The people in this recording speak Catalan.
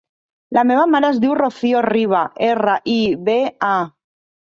La meva mare es diu Rocío Riba: erra, i, be, a.